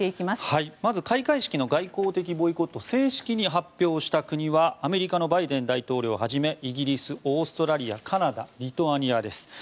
まず開会式の外交的ボイコットを正式に発表した国はアメリカのバイデン大統領はじめイギリス、オーストラリアカナダ、リトアニアです。